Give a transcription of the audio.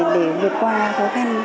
để vượt qua khó khăn